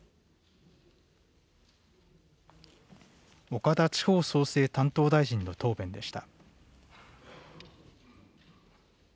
岡田地方創生担当大臣の答弁でした。